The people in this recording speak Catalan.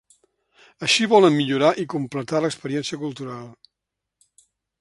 Així volen millorar i completar l’experiència cultural.